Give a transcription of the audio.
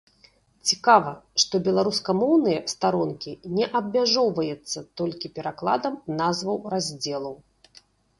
Цікава, што беларускамоўныя старонкі не абмяжоўваецца толькі перакладам назваў раздзелаў.